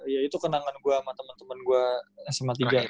ya itu kenangan gua sama temen temen gua sma tiga